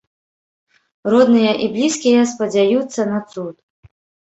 Родныя і блізкія спадзяюцца на цуд.